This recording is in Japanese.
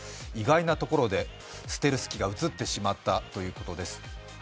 意外なところでステルス機が写ってしまったということです。